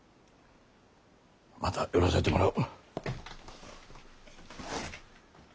また寄らせてもらう。